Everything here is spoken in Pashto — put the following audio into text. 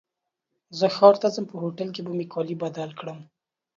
زه ښار ته ځم په هوټل کي به مي کالي بدل کړم.